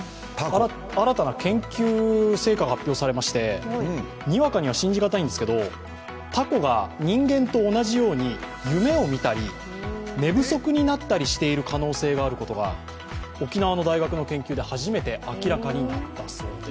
新たな研究成果が発表されましてにわかには信じ難いんですがたこが人間と同じように夢を見たり、寝不足になったりしている可能性があることが沖縄の大学の研究で初めて明らかになったそうです。